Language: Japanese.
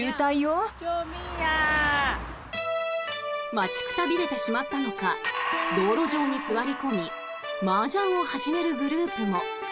待ちくたびれてしまったのか道路上に座り込みマージャンを始めるグループも。